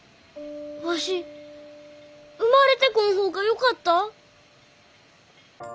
わし生まれてこん方がよかった？